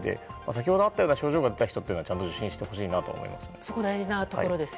先ほどあったような症状があった人はちゃんと受診してほしいと思います。